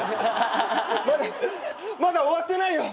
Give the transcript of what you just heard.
まだまだ終わってないよ！